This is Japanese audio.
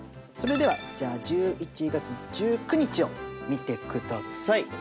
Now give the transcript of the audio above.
それではじゃあ１１月１９日を見てください。